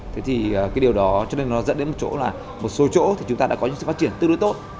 thế thì cái điều đó cho nên nó dẫn đến một chỗ là một số chỗ thì chúng ta đã có những sự phát triển tương đối tốt